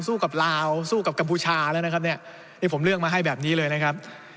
กับลาวสู้กับกัมพูชาแล้วนะครับเนี่ยนี่ผมเลือกมาให้แบบนี้เลยนะครับ